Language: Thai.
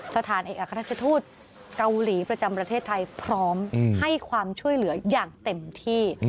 สถานเอกอัครราชทูตเกาหลีประจำประเทศไทยพร้อมให้ความช่วยเหลืออย่างเต็มที่